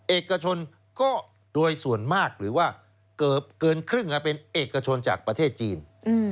เอกชนก็โดยส่วนมากหรือว่าเกือบเกินครึ่งเป็นเอกชนจากประเทศจีน